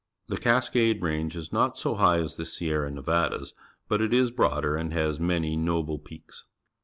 The Cascade Range is not so high as the Sierra Nevadas, but it is broader and has many noble peaks.